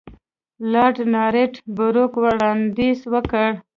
لارډ نارت بروک وړاندیز وکړ.